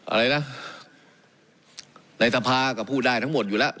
อะไรนะในสภาก็พูดได้ทั้งหมดอยู่แล้ว